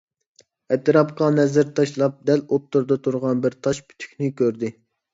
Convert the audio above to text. ئەتراپقا نەزەر تاشلاپ، دەل ئوتتۇرىدا تۇرغان بىر تاش پۈتۈكنى كۆردى.